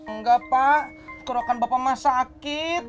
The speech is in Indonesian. nggak pak korekan bapak mah sakit